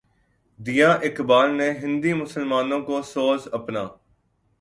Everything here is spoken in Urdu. دیا اقبالؔ نے ہندی مسلمانوں کو سوز اپنا